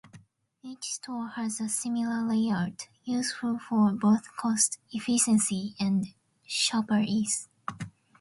Each store has a similar layout, useful for both cost efficiency and shopper ease.